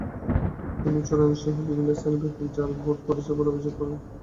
তিনি চুড়াইনসহ বিভিন্ন স্থানে ব্যাপক জাল ভোট পড়েছে বলে অভিযোগ করেন।